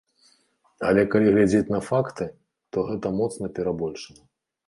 Але калі глядзець на факты, то гэта моцна перабольшана.